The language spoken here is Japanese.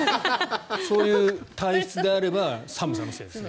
そういう体質であれば寒さのせいですね。